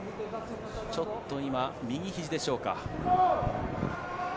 ちょっと今、右ひじでしょうか。